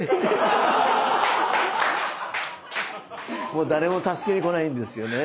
もう誰も助けに来ないんですよね